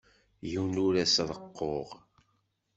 Yiwen ur as-reqquɣ.